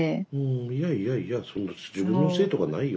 いやいやいやそんな自分のせいとかないよ。